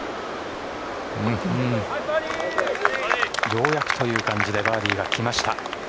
ようやくという感じでバーディーがきました。